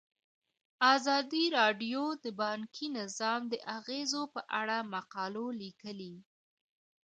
ازادي راډیو د بانکي نظام د اغیزو په اړه مقالو لیکلي.